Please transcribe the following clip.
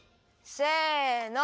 せの。